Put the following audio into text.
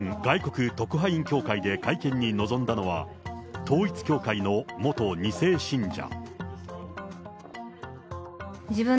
先週金曜日、日本外国特派員協会で会見に臨んだのは、統一教会の元２世信者。